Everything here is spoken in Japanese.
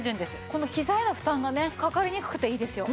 このひざへの負担がねかかりにくくていいですよ。